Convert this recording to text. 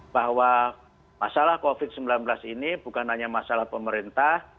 bahwa masalah covid sembilan belas ini bukan hanya masalah pemerintah